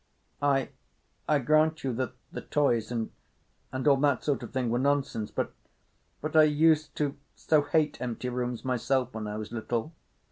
"I—I grant you that the toys and—and all that sort of thing were nonsense, but—but I used to so hate empty rooms myself when I was little."